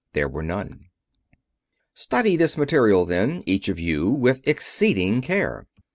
There were none. "Study this material, then, each of you, with exceeding care.